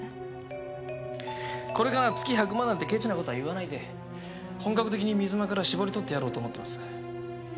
これからは月１００万なんてケチな事はいわないで本格的に水間から搾り取ってやろうと思ってます。